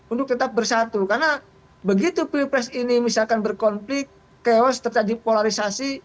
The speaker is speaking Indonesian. untuk tetap bersatu karena begitu pilpres ini misalkan berkonflik chaos terjadi polarisasi